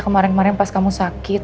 kemarin kemarin pas kamu sakit